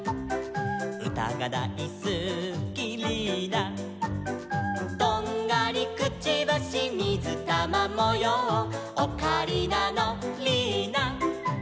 「うたがだいすきリーナ」「とんがりくちばしみずたまもよう」「オカリナのリーナ」